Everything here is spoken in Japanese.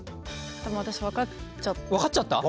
私分かっちゃった。